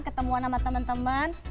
ketemuan sama temen temen